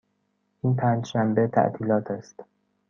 این پنج شنبه تعطیلات است.